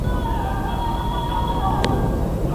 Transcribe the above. چا ولي وويل چي د نجلۍ سره يې واده دی؟